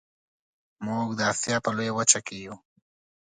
موږ د اسیا په لویه وچه کې یو